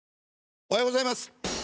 おはようございます。